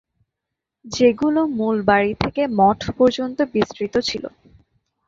যেগুলো মূল বাড়ি থেকে মঠ পর্যন্ত বিস্তৃত ছিল।